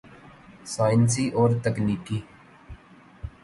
سائنسی اور تکنیکی